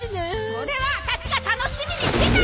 それはワタシが楽しみにしてたやつ！